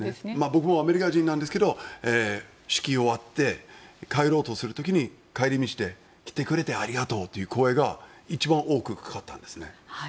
僕もアメリカ人なんですが式が終わって帰ろうとする時に帰り道で来てくれてありがとうという声が一番多くかかったんですね。